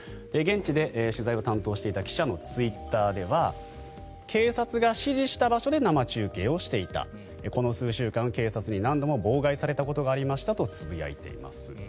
現地で取材を担当していた記者のツイッターでは警察が指示した場所で生中継をしていたこの数週間、警察に何度も妨害されたことがありましたとつぶやいています。